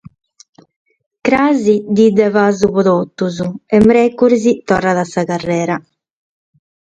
Cras die de pasu pro totus e mèrcuris torrat sa carrera.